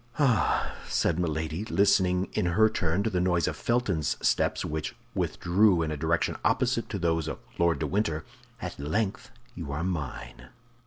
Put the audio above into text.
"Ah!" said Milady, listening in her turn to the noise of Felton's steps, which withdrew in a direction opposite to those of Lord de Winter; "at length you are mine!"